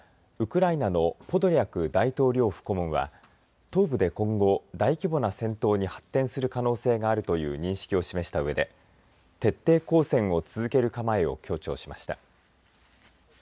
ウクライナのポドリャク大統領府顧問は東部で今後大規模な戦闘に発展する可能性があるという認識を示した上で徹底抗戦を続ける構えを強調しました。